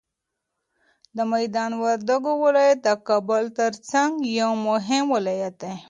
د میدان وردګو ولایت د کابل تر څنګ یو مهم ولایت دی.